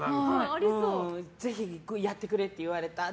ぜひ、やってくれって言われて。